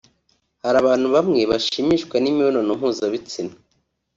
hari abantu bamwe bashimishwa n’imibonano mpuzabitsina